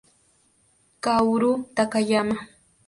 Kaoru Takayama